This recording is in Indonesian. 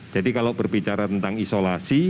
jadi kalau berbicara tentang isolasi